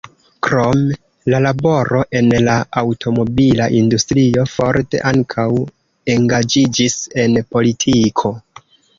Krom la laboro en la aŭtomobila industrio, Ford ankaŭ engaĝiĝis en politiko.